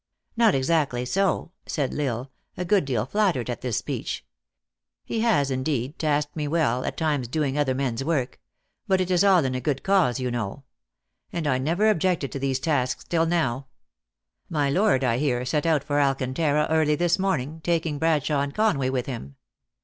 "Kot exactly so," said L Isle, a good deal flattered at this speech. lie has indeed tasked me well, at times doing other men s work ; but it is all in a good cause, you know ; and I never objected to these tasks till now My Lord, I hear, set out for Alcantara early this morning, taking Bradshawe and Con way with him."